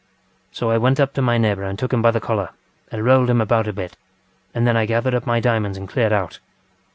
So I went up to my neighbour and took him by the collar, and rolled him about a bit, and then I gathered up my diamonds and cleared out.